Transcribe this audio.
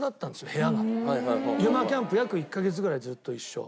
ユマキャンプ約１カ月ぐらいずっと一緒。